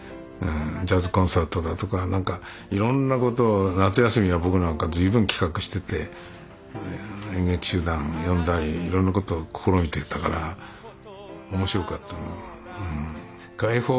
ジャズコンサートだとかいろんなことを夏休みは僕なんか随分企画してて演劇集団呼んだりいろんなことを試みていたから面白かった。